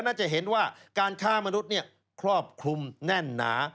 น่าจะเห็นว่าการค้ามนุษย์ครอบคลุมแน่นหนา